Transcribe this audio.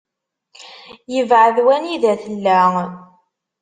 Yebεed wanida tella.